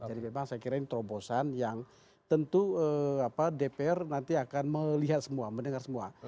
jadi memang saya kira ini terobosan yang tentu dpr nanti akan melihat semua mendengar semua